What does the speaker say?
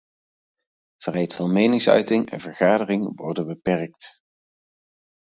Vrijheid van meningsuiting en vergadering worden beperkt.